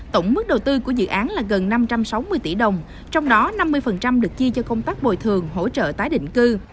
tổng mức đầu tư của dự án là gần năm trăm sáu mươi tỷ đồng trong đó năm mươi được chi cho công tác bồi thường hỗ trợ tái định cư